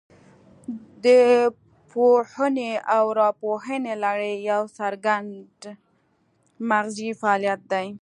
د پوهونې او راپوهونې لړۍ یو څرګند مغزي فعالیت دی